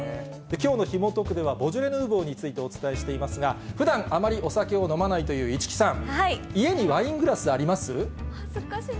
きょうのヒモトクっでは、ボジョレ・ヌーボーについてお伝えしていますが、ふだん、あまりお酒を飲まないという市來さん、家にワイングラスあります？